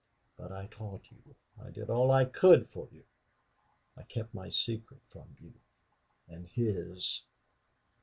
But I taught you I did all I could for you. I kept my secret from you and his!...